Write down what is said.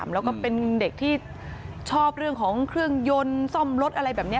แล้วก็เป็นเด็กที่ชอบเรื่องของเครื่องยนต์ซ่อมรถอะไรแบบนี้